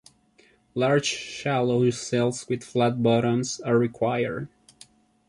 Large shallow cells with flat bottoms are required.